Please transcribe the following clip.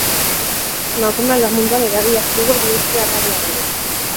Emakumeak lan munduan eragile aktibo bihurtzea du abiagune.